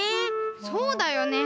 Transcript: そうだよねえ。